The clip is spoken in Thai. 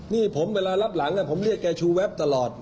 นี่ผมเวลารับหลังผมเรียกแกชูแวบตลอด